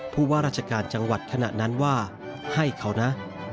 ผู้ว่าราชการจังหวัดขณะนั้นว่าให้เขานะ